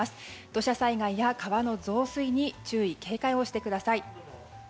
土砂災害や川の増水に注意・警戒をしてください。